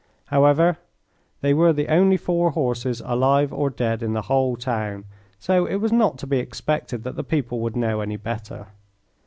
However, they were the only four horses, alive or dead, in the whole town, so it was not to be expected that the people would know any better.